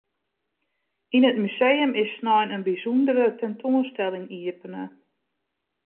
Yn it museum is snein in bysûndere tentoanstelling iepene.